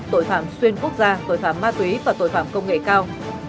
tội phạm xuyên quốc gia tội phạm ma túy và tội phạm công nghệ cao